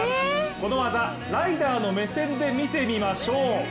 この技、ライダーの目線で見てみましょう。